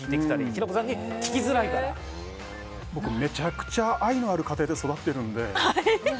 平子さんに僕、めちゃくちゃ愛のある家庭で育ってるんで。